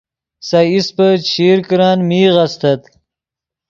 سے ایسپے چشیر کرن میغ استت